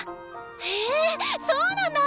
へえそうなんだ！